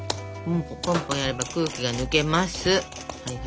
ポンポンやれば空気が抜けます。